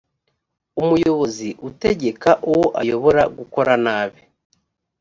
umuyobozi utegeka uwo ayobora gukora nabi